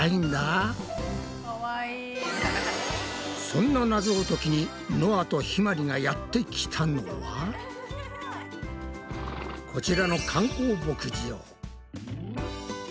そんなナゾを解きにのあとひまりがやってきたのはこちらの観光牧場！